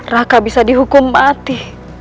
raka bisa dihukum mati